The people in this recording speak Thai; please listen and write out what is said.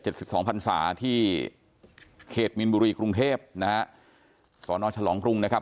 สิบสองพันศาที่เขตมินบุรีกรุงเทพนะฮะสอนอฉลองกรุงนะครับ